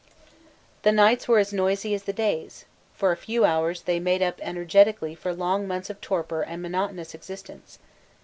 The nights were as noisy as the days: for a few hours, they made up energetically for long months of torpor and monotonous existence.